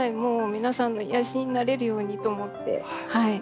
皆さんの癒やしになれるようにと思って頑張っています。